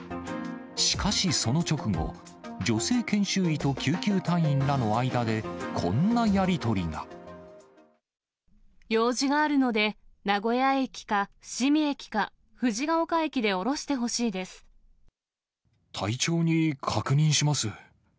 しかしその直後、女性研修医と救急隊員らの間で、用事があるので、名古屋駅か伏見駅か、隊長に確認します。